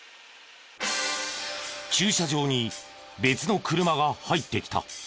駐車場に別の車が入ってきた。